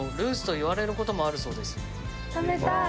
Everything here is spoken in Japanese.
食べたい！